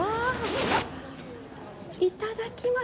いただきます。